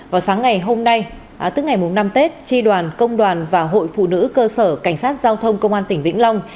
vào sáng ngày hôm nay tức ngày năm tết tri đoàn công đoàn và hội phụ nữ cơ sở cảnh sát giao thông công an tỉnh vĩnh long